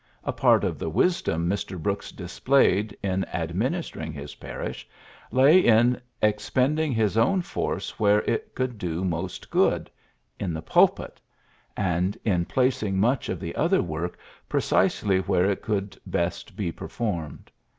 A part of the wisdom Mr. Brooks displayed in administering his parish lay in expend ing his own force where it could do most good, in the pulpit, and in placing much of the other work precisely where it could best be performed.